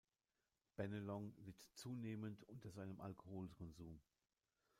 Bennelong litt zunehmend unter seinem Alkoholkonsum.